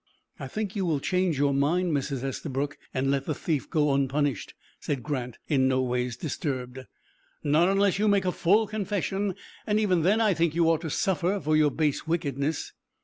"I think you will change your mind, Mrs. Estabrook, and let the thief go unpunished," said Grant, in no ways disturbed. "Not unless you make a full confession; and even then I think you ought to suffer for your base wickedness."